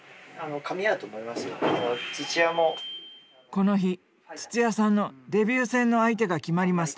この日土屋さんのデビュー戦の相手が決まりました。